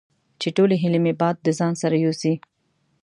چې ټولې هیلې مې باد د ځان سره یوسي